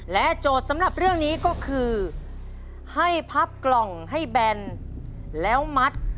โจทย์สำหรับเรื่องนี้ก็คือให้พับกล่องให้แบนแล้วมัด